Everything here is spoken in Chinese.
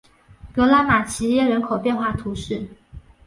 格拉马齐耶人口变化图示